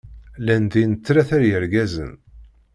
Llan din tlata yergazen.